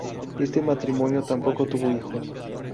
Este matrimonio tampoco tuvo hijos.